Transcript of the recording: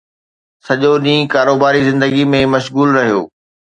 سڄو ڏينهن ڪاروباري زندگيءَ ۾ مشغول رهيو